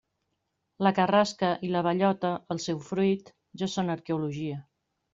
La carrasca, i la bellota, el seu fruit, ja són arqueologia.